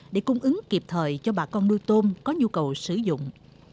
để cung ứng kịp thời cho bà con nuôi tôm có nhu cầu sử dụng